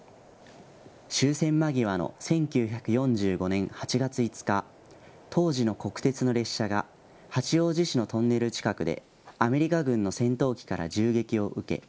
終戦間際の１９４５年８月５日、当時の国鉄の列車が八王子市のトンネル近くでアメリカ軍の戦闘機から銃撃を受け